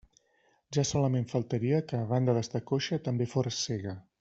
Ja solament faltaria que a banda d'estar coixa també fores cega.